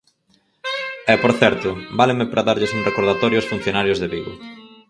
E, por certo, váleme para darlles un recordatorio aos funcionarios de Vigo.